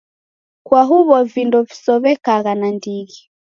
Kwa huw'o vindo visow'ekagha nandighi.